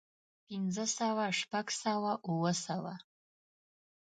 پنځۀ سوه شپږ سوه اووه سوه